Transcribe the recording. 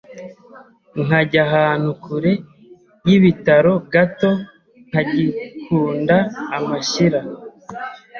nkajya ahantu kure y’ibitaro gato nkagiknda amashyira